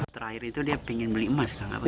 terakhir itu dia ingin beli emas kan